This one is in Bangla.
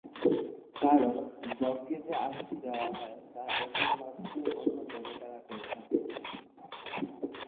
কারণ, যজ্ঞে যে আহুতি দেওয়া হয় তা অগ্নির মাধ্যমেই অন্য দেবতারা পেয়ে থাকেন।